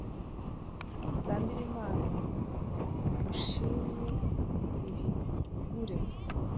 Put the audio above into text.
utambire imana ushimwe uhigure